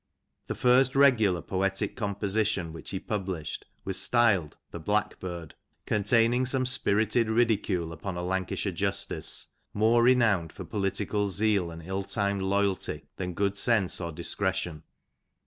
The first regular poetic composition which he published, was " The Blackbird," containing some spirited ridicule upon a Lancashire Justice, more renowned for political zeal, and ill timed loyalty, than good sense or discretion.